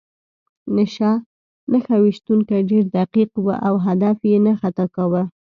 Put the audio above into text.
نښه ویشتونکی ډېر دقیق و او هدف یې نه خطا کاوه